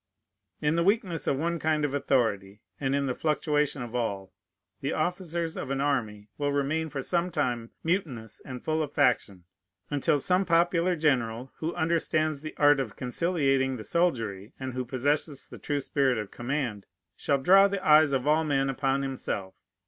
In the weakness of one kind of authority, and in the fluctuation of all, the officers of an army will remain for some time mutinous and full of faction, until some popular general, who understands the art of conciliating the soldiery, and who possesses the true spirit of command, shall draw the eyes of all men upon himself.